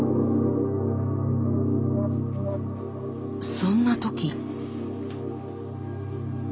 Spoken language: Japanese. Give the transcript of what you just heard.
そんな時。